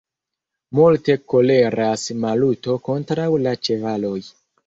Multe koleras Maluto kontraŭ la ĉevaloj.